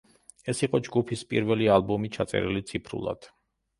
ეს იყო ჯგუფის პირველი ალბომი, ჩაწერილი ციფრულად.